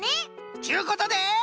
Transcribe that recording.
っちゅうことで。